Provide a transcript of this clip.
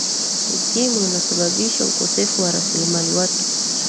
ukimwi unasababisha ukosefu wa rasilimali watu